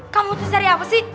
kamu tuh cari apa sih